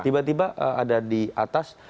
tiba tiba ada di atas